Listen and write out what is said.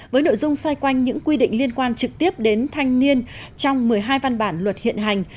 với nội dung xoay quanh những quy định liên quan trực tiếp đến thanh niên trong một mươi hai văn bản luật hiện hành